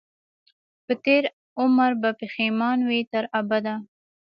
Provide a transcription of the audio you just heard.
په تېر عمر به پښېمان وي تر ابده